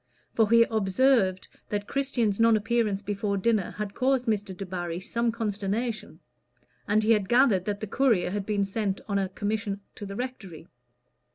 For he observed that Christian's non appearance before dinner had caused Mr. Debarry some consternation; and he had gathered that the courier had been sent on a commission to the rectory.